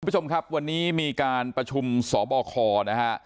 คุณผู้ชมครับวันนี้มีการประชุมสบคนะฮะ